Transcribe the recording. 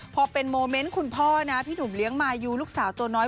พอเป็นโมเมนต์คุณพ่อนะพี่หนุ่มเลี้ยงมายูลูกสาวตัวน้อย